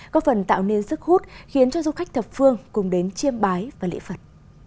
có phần tạo nên sức hút khiến cho du khách thập phương cùng đến chiêm bái và lễ phật